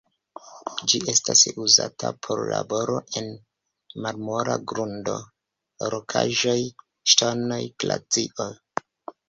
Ĝi estas uzata por laboro en malmola grundo, rokaĵoj, ŝtonoj, glacio.